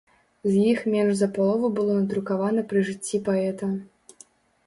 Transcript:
З іх менш за палову было надрукавана пры жыцці паэта.